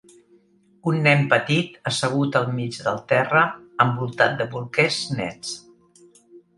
un nen petit assegut al mig del terra envoltat de bolquers nets